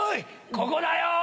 ここだよ！